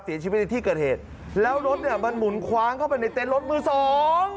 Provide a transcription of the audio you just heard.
เสียชีวิตในที่เกิดเหตุแล้วรถเนี้ยมันหมุนคว้างเข้าไปในเต็นต์รถมือสอง